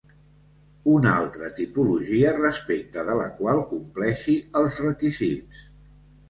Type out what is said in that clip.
Una altra tipologia respecte de la qual compleixi els requisits.